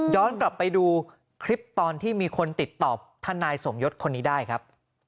กลับไปดูคลิปตอนที่มีคนติดต่อทนายสมยศคนนี้ได้ครับ